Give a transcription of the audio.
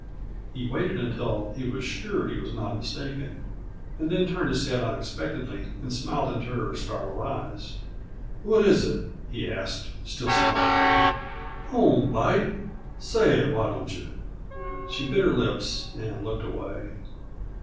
He waited until he was sure he was not mistaken, and then turned his head unexpectedly, and smiled into her startled eyes. "What is it?" he asked, still smiling at her. "I won't bite. Say it, why don't you?" She bit her lips and looked away.